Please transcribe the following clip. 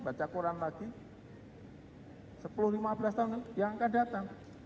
baca koran lagi sepuluh lima belas tahun yang akan datang